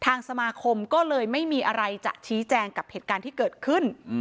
ทางสมาคมก็เลยไม่มีอะไรจะชี้แจงกับเหตุการณ์ที่เกิดขึ้น